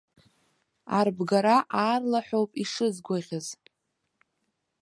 Арбгара аарлаҳәоуп ишызгәаӷьыз.